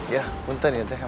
ya buntan ya teh